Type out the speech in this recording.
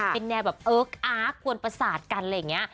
เป็นแนวแบบเอิ๊กอาร์กวนประสาทกันอะไรอย่างนี้